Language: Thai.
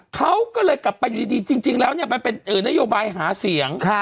เขาก็เลยกลับไปอยู่ดีจริงแล้วมันเป็นนโยบายหาเสียง